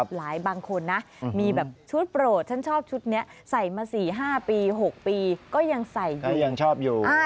หลายบางคนนะมีแบบชุดโปรทฉันชอบชุดนี้ใส่มา๔๕ปี๖ปีก็ยังใส่อยู่